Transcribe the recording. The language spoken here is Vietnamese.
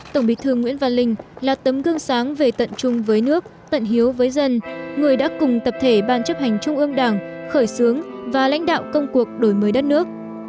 tổng bí thư nguyễn văn linh là tấm gương sáng về tận chung với nước tận hiếu với dân người đã cùng tập thể ban chấp hành trung ương đảng khởi xướng và lãnh đạo công cuộc đổi mới đất nước